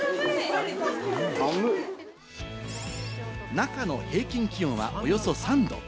中の平均気温は、およそ３度。